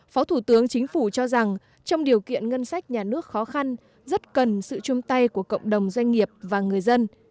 phó thủ tướng chính phủ cho rằng trong điều kiện ngân sách nhà nước khó khăn rất cần sự chung tay của cộng đồng doanh nghiệp và người dân